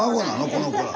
この子ら。